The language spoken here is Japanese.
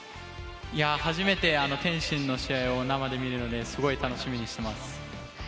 初めて天心の試合を生で見るのですごい楽しみにしています。